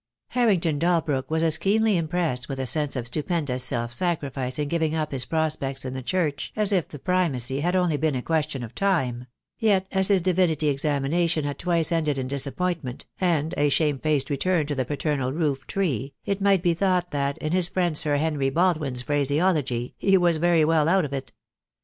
Harrington Dalbrook was as keenly impressed with a sense of stupendous self sacrifice in giving up his pro spects in the Church as if the Primacy had only been a question of time; yet as his Divinity examination had twice ended in disappointment and a shame faced return to the paternal roof tree, it might be thought that, in his friend Sir Henry Baldwin's phraseology, he was very well out of it.